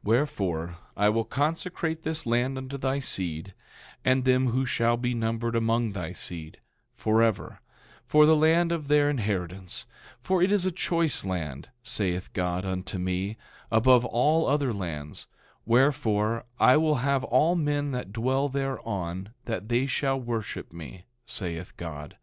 10:19 Wherefore, I will consecrate this land unto thy seed, and them who shall be numbered among thy seed, forever, for the land of their inheritance; for it is a choice land, saith God unto me, above all other lands, wherefore I will have all men that dwell thereon that they shall worship me, saith God.